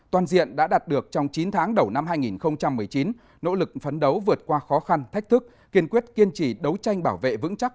toàn diện đã đạt được trong chín tháng đầu năm hai nghìn một mươi chín nỗ lực phấn đấu vượt qua khó khăn thách thức kiên quyết kiên trì đấu tranh bảo vệ vững chắc